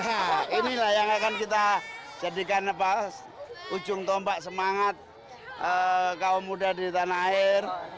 nah inilah yang akan kita jadikan ujung tombak semangat kaum muda di tanah air